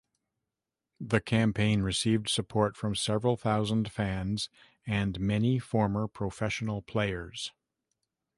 The campaign received support from several thousand fans and many former professional players.